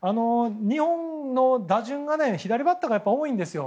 日本の打順は左バッターが多いんですよ。